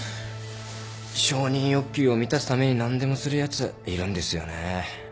承認欲求を満たすために何でもするやついるんですよね。